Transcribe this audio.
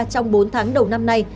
trong bốn tháng đầu năm nay